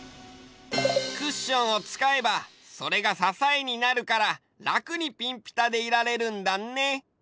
クッションをつかえばそれがささえになるかららくにピンピタでいられるんだね。